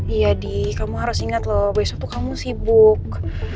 iya di kamu harus ingat loh besok tuh kamu sibuk